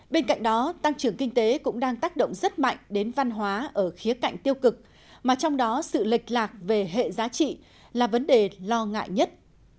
bên cạnh đó tăng trưởng kinh tế cũng đang tác động rất mạnh đến văn hóa ở khía cạnh tiêu cực mà trong đó sự lệch lạc về hệ giá trị là vấn đề lo ngại nhất